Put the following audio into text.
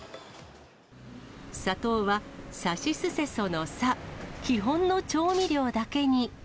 砂糖は、さしすせそのさ、基本の調味料だけに。